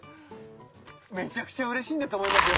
めちゃくちゃうれしいんだと思いますよ